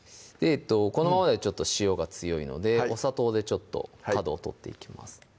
このままではちょっと塩が強いのでお砂糖でちょっと角を取っていきます